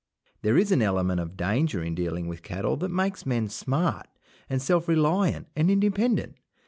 There is an element of danger in dealing with cattle that makes men smart and self reliant and independent.